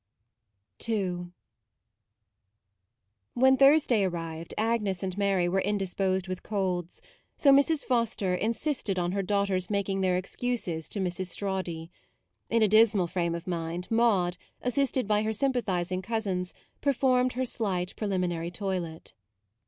52 MAUDE II WHEN Thursday arrived Agnes and Mary were indisposed with colds; so Mrs. Foster insisted on her daugh ter's making their excuses to Mrs. Strawdy. In a dismal frame of mind, Maude, assisted by her sympathizing cousins, performed her slight pre liminary toilet.